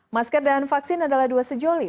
masker dan vaksin adalah dua sejoli